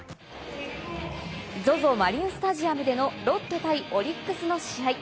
マリンスタジアムでのロッテ対オリックスの試合。